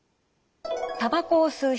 たばこを吸う人